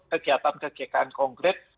kegiatan kegiatan kongres